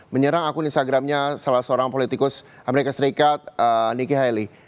menyerang akun instagramnya salah seorang politikus amerika serikat niki haili